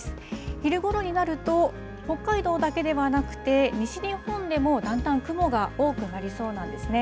昼ごろになると北海道だけではなくて西日本でもだんだん雲が多くなりそうなんですね。